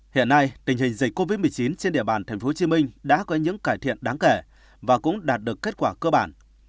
hiện nay tình hình dịch covid một mươi chín trên địa bàn tp hcm đã có những cải thiện đáng kể và cũng đạt được kết quả cơ bản